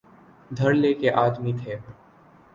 دھڑلے کے آدمی تھے۔